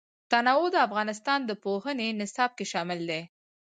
تنوع د افغانستان د پوهنې نصاب کې شامل دي.